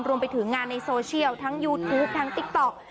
รวมไปถึงงานในโซเชียลทั้งยูทูปทั้งติ๊กต๊อก